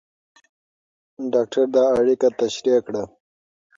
ډاکټر دا اړیکه تشریح کړه.